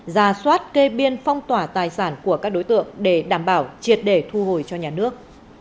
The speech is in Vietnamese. ra soát kê biên phong tỏa tài sản của các đối tượng để đảm bảo triệt để thu hồi cho nhà nước